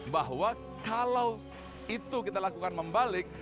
bahwa kalau itu kita lakukan membalik